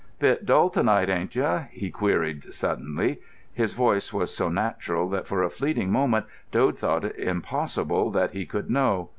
"Bit dull to night, ain't you?" he queried suddenly. His voice was so natural that for a fleeting moment Dode thought it impossible that he could know.